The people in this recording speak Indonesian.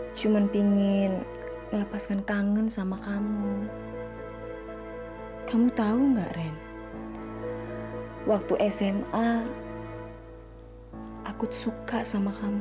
hai cuman pingin melepaskan kangen sama kamu kamu tahu enggak ren waktu sma aku suka sama kamu